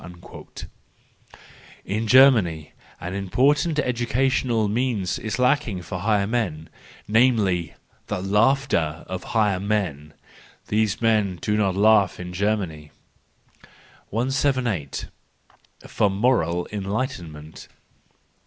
—In Germany an important educational means is lacking for higher men; namely, the laughter of higher men; these men do not laugh in Germany. 192 THE JOYFUL WISDOM, III 178 . For Moral Enlightenment.